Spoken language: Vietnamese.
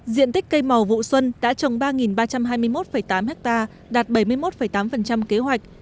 diện tích cây màu vụ xuân đã trồng ba ba trăm hai mươi một tám ha đạt bảy mươi một tám kế hoạch